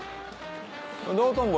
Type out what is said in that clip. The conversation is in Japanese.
道頓堀